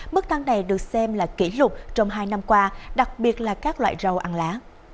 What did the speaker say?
mức tăng này được xem là kỷ lục trong hai năm qua đặc biệt là các loại rau ăn lá